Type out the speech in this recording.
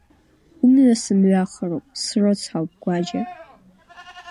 Умҩа сымҩахароуп, срыцҳауп, Гәаџьа!